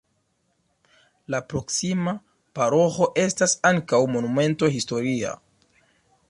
La proksima paroĥo estas ankaŭ monumento historia.